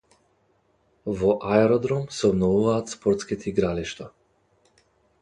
Во Аеродром се обновуваат спортските игралишта